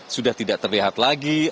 sudah tidak terlihat lagi